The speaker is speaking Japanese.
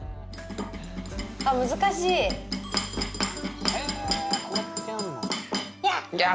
あっ難しいぎゃ？